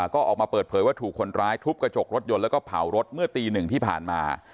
ก็ออกมาเปิดเผยว่าถูกคนร้ายทุบกระจกรถยนต์แล้วก็เผารถเมื่อตีหนึ่งที่ผ่านมา